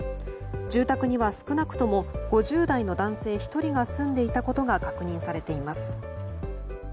住宅には少なくとも５０代の男性１人が住んでいたことが確認されています。